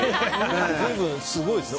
随分、すごいですね。